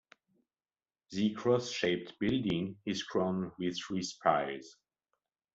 The cross-shaped building is crowned with three spires.